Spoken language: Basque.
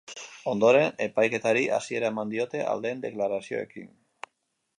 Ondoren, epaiketari hasiera eman diote, aldeen deklarazioekin.